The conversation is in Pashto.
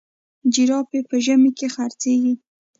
جراپي په ژمي کي خرڅیږي.